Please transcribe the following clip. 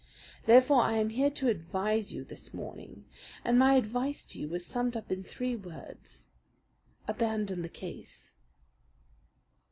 Therefore I am here to advise you this morning, and my advice to you is summed up in three words abandon the case."